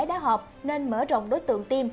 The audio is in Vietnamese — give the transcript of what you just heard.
đã họp nên mở rộng đối tượng tiêm